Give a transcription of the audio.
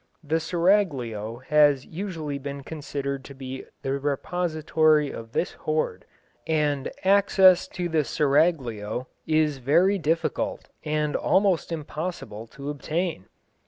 The Seraglio has usually been considered to be the repository of this hoard, and access to the Seraglio is very difficult and almost impossible to obtain.